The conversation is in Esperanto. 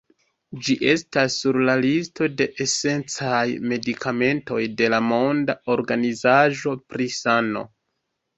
Ĝi estas sur la listo de esencaj medikamentoj de la Monda Organizaĵo pri Sano.